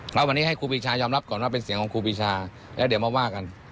แล้ววันนี้ให้ครูปีชายอมรับก่อนว่าเป็นเสียงของครูปีชาแล้วเดี๋ยวมาว่ากัน